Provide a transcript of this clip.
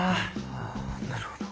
あなるほど。